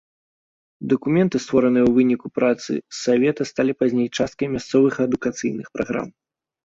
Дакументы, створаныя ў выніку працы савета, сталі пазней часткай мясцовых адукацыйных праграм.